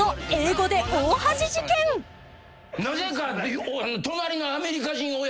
なぜか。